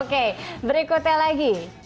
oke berikutnya lagi